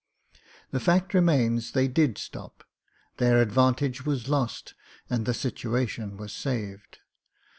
The fact remains they did stop; their advantage was lost and the situation was saved.